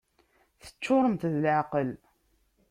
Teččuremt d leεqel!